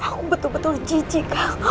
aku betul betul jijik kang